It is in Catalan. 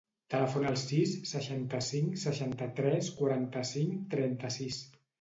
Telefona al sis, seixanta-cinc, seixanta-tres, quaranta-cinc, trenta-sis.